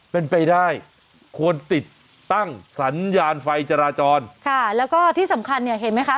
เป็นไปได้ควรติดตั้งสัญญาณไฟจราจรค่ะแล้วก็ที่สำคัญเนี่ยเห็นไหมคะ